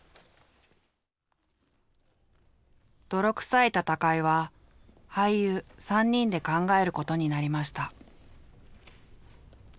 「泥臭い戦い」は俳優３人で考えることになりました。